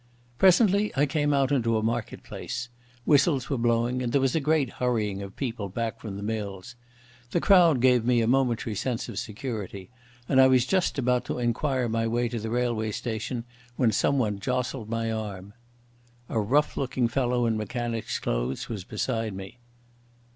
Presently I came out into a market place. Whistles were blowing, and there was a great hurrying of people back from the mills. The crowd gave me a momentary sense of security, and I was just about to inquire my way to the railway station when someone jostled my arm. A rough looking fellow in mechanic's clothes was beside me.